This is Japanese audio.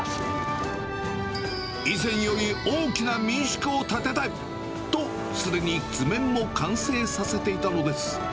以前より大きな民宿を建てたいと、すでに図面を完成させていたのです。